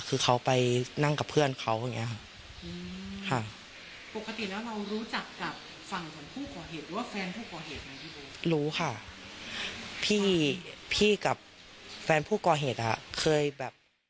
คือเขาไปนั่งกับเพื่อนเขาอย่างนี้ค่ะ